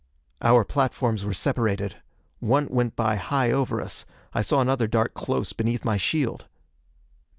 Our platforms were separated. One went by high over us; I saw another dart close beneath my shield.